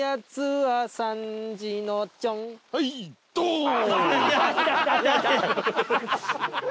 「はいドーン！」。